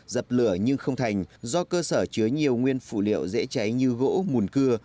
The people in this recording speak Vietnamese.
dập lửa nhưng không thành do cơ sở chứa nhiều nguyên phụ liệu dễ cháy như gỗ mùn cưa